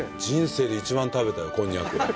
人生で一番食べたよこんにゃく。